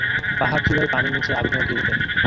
পাহাড়চূড়ায়, পানির নিচে, আগ্নেয়গিরিতে।